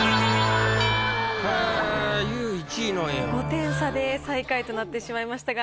５点差で最下位となってしまいましたが。